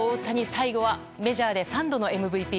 最後はメジャーで３度のＭＶＰ。